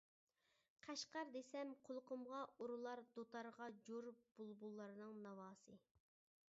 «قەشقەر» دېسەم، قۇلىقىمغا ئۇرۇلار دۇتارغا جور بۇلبۇللارنىڭ ناۋاسى.